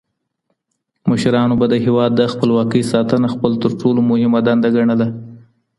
مشرانو به د هیواد د خپلواکۍ ساتنه خپل تر ټولو مهمه دنده ګڼله.